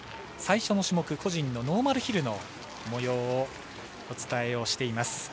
最初の種目個人のノーマルヒルのもようをお伝えをしています。